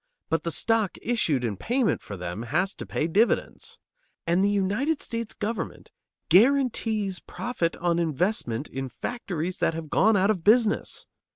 But the stock issued in payment for them has to pay dividends. And the United States government guarantees profit on investment in factories that have gone out of business.